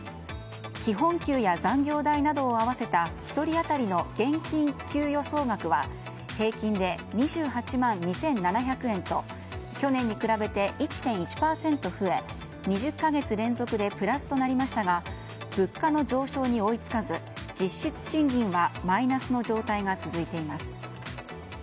基本給や残業代などを合わせた１人当たりの現金給与総額は平均で２８万２７００円と去年に比べて１．１％増え２０か月連続でプラスとなりましたが物価の上昇に追いつかず実質賃金はマイナスの状態が続いています。